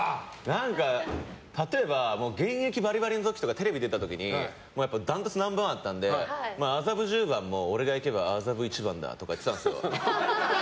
何か、例えば現役バリバリの時とかテレビに出た時にダントツナンバー１だったので麻布十番も俺が行けば麻布一番だとか言ってたんですよ。